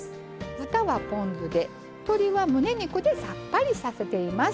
豚はポン酢で鶏はむね肉でさっぱりさせています。